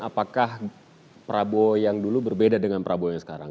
apakah prabowo yang dulu berbeda dengan prabowo yang sekarang